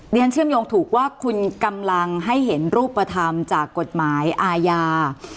เชื่อมโยงถูกว่าคุณกำลังให้เห็นรูปธรรมจากกฎหมายอาญา